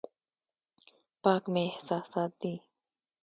پاک مې احساسات دي.